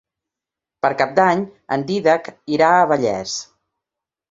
Per Cap d'Any en Dídac irà a Vallés.